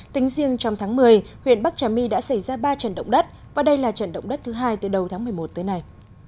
tính riêng trong tháng một mươi huyện bắc trà my đã xảy ra ba trận động đất và đây là trận động đất thứ hai từ đầu tháng một mươi một tới nay